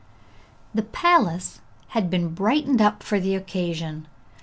'_] The palace had been brightened up for the occasion.